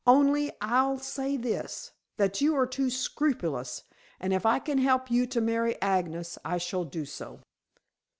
"Only I'll say this, that you are too scrupulous, and if I can help you to marry Agnes I shall do so."